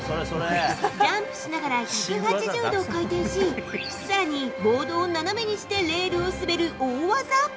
ジャンプしながら１８０度回転し更にボードを斜めにしてレールを滑る大技。